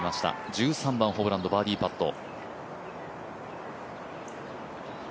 １３番、ホブランド、バーディーパット。